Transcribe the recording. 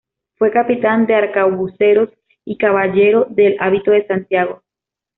Fue capitán de arcabuceros y caballero del hábito de Santiago.